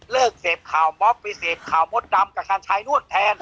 เริ่มเก้าคาร์มบไปเก้าคาร์มดดำกับชายโน่นแทน